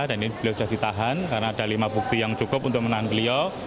dan ini beliau sudah ditahan karena ada lima bukti yang cukup untuk menahan beliau